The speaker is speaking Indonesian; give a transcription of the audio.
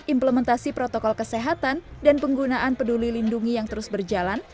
implementasi protokol kesehatan dan penggunaan peduli lindungi yang terus berjalan